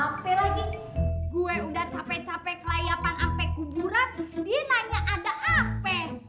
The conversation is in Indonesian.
apa lagi gue udah capek capek layapan sampai kuburan dia nanya ada apa